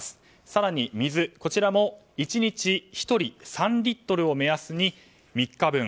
更に、水も１日１人３リットルを目安に３日分。